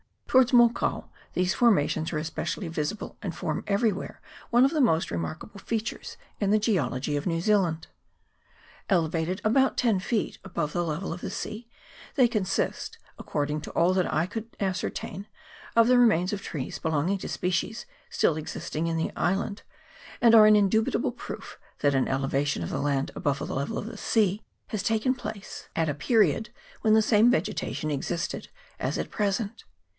Towards Mokau these formations are especially visible, and form every where one of the most remarkable features in the geology of New Zealand. Elevated about ten feet above the level of the sea, they consist, according to all that I could ascertain, of the remains of trees belonging to species still existing in the island, and are an indubitable proof that an elevation of the land above the level of the sea has taken place at a 136 MOUNT EGMONT. [PART I. period when the same vegetation existed as at pre sent.